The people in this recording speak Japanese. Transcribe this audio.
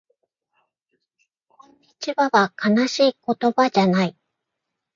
こんにちはは悲しい言葉じゃない